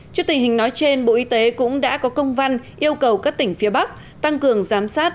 trước tình hình nói trên bộ y tế cũng đã có công văn yêu cầu các tỉnh phía bắc tăng cường giám sát